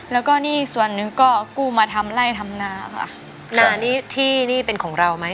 แล้วก็หนี้ส่วนหนึ่งก็กู้มาทำไล่ทำนาค่ะนานี่ที่นี่เป็นของเราไหม